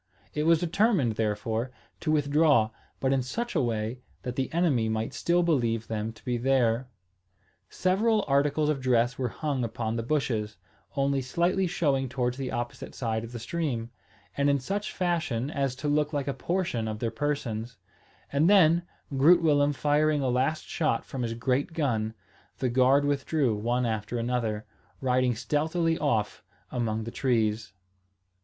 It was determined, therefore, to withdraw, but in such a way that the enemy might still believe them to be there. Several articles of dress were hung upon the bushes, only slightly showing towards the opposite side of the stream, and in such fashion as to look like a portion of their persons; and then, Groot Willem firing a last shot from his great gun, the guard withdrew one after another, riding stealthily off among the trees.